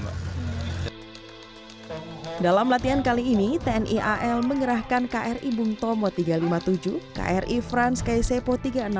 dalam latihan kali ini tni al mengerahkan kri bung tomo tiga ratus lima puluh tujuh kri frans kaisepo tiga ratus enam puluh